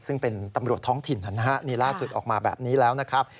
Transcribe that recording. ซึ่งเป็นตำรวจท้องถิ่นนะฮะนี่ล่าสุดออกมาแบบนี้แล้วนะครับ